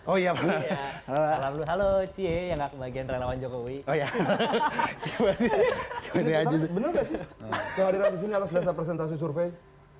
oh iya pak halo halo cie yang kebagian relawan jokowi oh ya bener bener presentasi survei